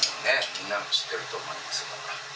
みんなも知ってると思いますが。